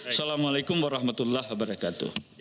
assalamu'alaikum warahmatullahi wabarakatuh